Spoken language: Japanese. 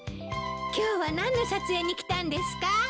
今日は何の撮影に来たんですか？